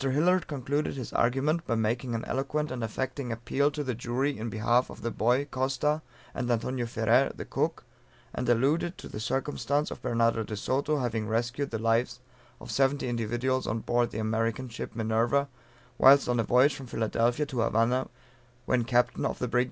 Hillard concluded his argument, by making an eloquent and affecting appeal to the jury in behalf of the boy Costa and Antonio Ferrer, the cook, and alluded to the circumstance of Bernardo de Soto having rescued the lives of 70 individuals on board the American ship Minerva, whilst on a voyage from Philadelphia to Havana, when captain of the brig Leon.